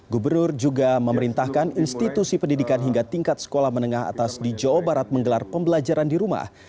gubernur juga memerintahkan institusi pendidikan hingga tingkat sekolah menengah atas di jawa barat menggelar pembelajaran di rumah